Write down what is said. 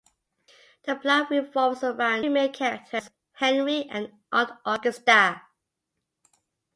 The plot revolves around two main characters: Henry and Aunt Augusta.